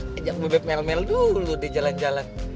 kejam bebek mel mel dulu deh jalan jalan